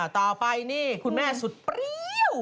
ต่อไปนี่คุณแม่สุดเปรี้ยว